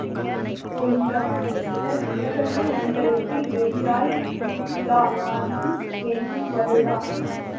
ஒங்க மனசுல உலகமே ஒங்களுக்கு எதிராய் இருக்குது மாதிரி எண்ணம் வருதா?